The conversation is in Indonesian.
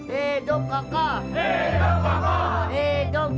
hei dokter kakak